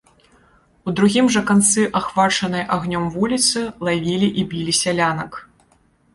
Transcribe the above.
У другім жа канцы ахвачанай агнём вуліцы лавілі і білі сялянак.